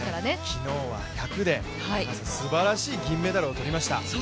昨日は１００ですばらしい銀メダルを取りました。